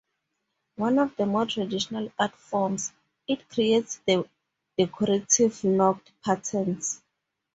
One of the more traditional art forms, it creates decorative knot patterns.